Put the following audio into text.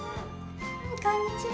こんにちは。